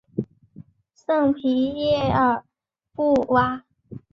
圣皮耶尔布瓦。